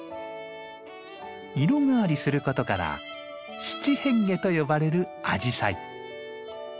色変わりすることから「七変化」と呼ばれるアジサイ。